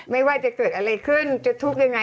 ไม่ว่าจะเกิดอะไรขึ้นจะทุกข์ยังไง